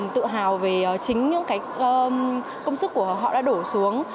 tự hào về chính những công sức của họ đã đổ xuống